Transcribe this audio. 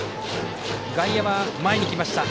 外野は、前に来ました。